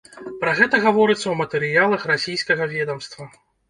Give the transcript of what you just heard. Пра гэта гаворыцца ў матэрыялах расійскага ведамства.